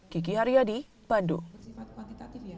kiki haryadi bandung